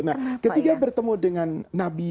nah ketika bertemu dengan nabi